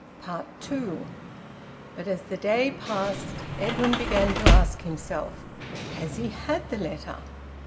TWO. But as the day passed, Edwin began to ask himself: "Has he had the letter?"